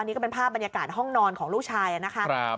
นี่ก็เป็นภาพบรรยากาศห้องนอนของลูกชายนะคะ